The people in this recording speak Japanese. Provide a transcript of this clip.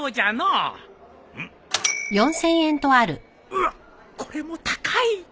うわっこれも高い